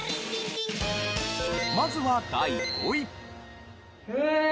まずは第５位。